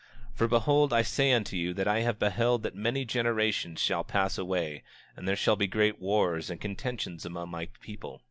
26:2 For behold, I say unto you that I have beheld that many generations shall pass away, and there shall be great wars and contentions among my people.